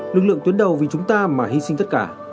lực lượng tuyến đầu vì chúng ta mà hy sinh tất cả